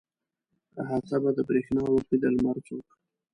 احاطه به د برېښنا وکړي د لمر څوک.